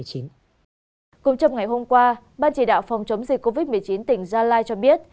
cũng trong ngày hôm qua ban chỉ đạo phòng chống dịch covid một mươi chín tỉnh gia lai cho biết